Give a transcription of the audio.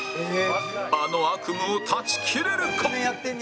あの悪夢を断ち切れるか？